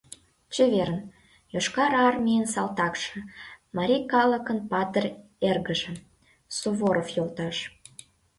— Чеверын, Йошкар Армийын салтакше, марий калыкын патыр эргыже — Суворов йолташ!